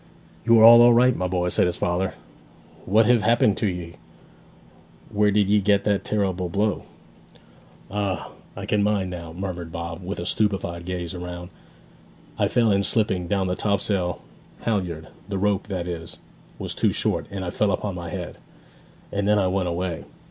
'You are all right, my boy!' said his father. 'What hev happened to ye? Where did ye get that terrible blow?' 'Ah I can mind now,' murmured Bob, with a stupefied gaze around. 'I fell in slipping down the topsail halyard the rope, that is, was too short and I fell upon my head. And then I went away.